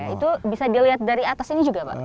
itu bisa dilihat dari atas ini juga pak